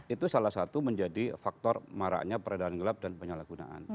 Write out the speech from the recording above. itu salah satu menjadi faktor maraknya peredaran gelap dan penyalahgunaan